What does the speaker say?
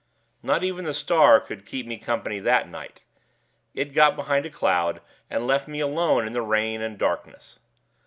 Not even the star would keep me company that night. It got behind a cloud, and left me alone in the rain and darkness.